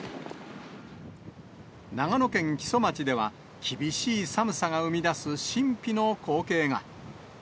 長野県木曽町では、厳しい寒さが生み出す神秘の光景が。